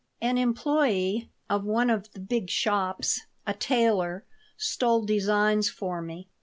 An employee of one of the big shops, a tailor, stole designs for me.